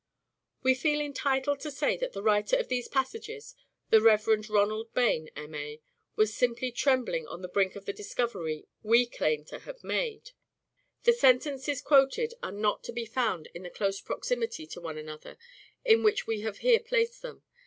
We feel entitled to say that the writer of these passages, the Rev. Ronald Bayne, M.A., was simply 310 " SHAKESPEARE " IDENTIFIED trembling on the brink of the discovery we claim to have made. The sentences quoted are not to be found in the close proximity to one another in which we have here placed them.